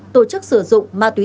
tổ chức sử dụng ma túy